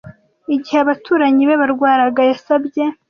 Igihe abaturanyi be barwaraga, yasabye